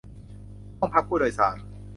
ห้องพักผู้โดยสาร